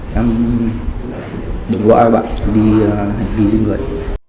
đi hành vi di ngưỡi